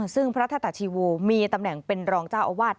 ซึ่งพระธตาชีโวมีตำแหน่งเป็นรองเจ้าอาวาส